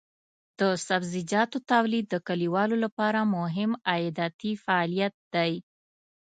د سبزیجاتو تولید د کليوالو لپاره مهم عایداتي فعالیت دی.